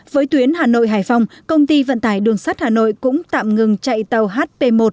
với tuyến hà nội hải phòng công ty vận tải đường sắt hà nội cũng tạm ngừng chạy tàu hp một